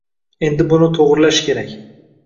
Endi buni to‘g‘rilash kerak.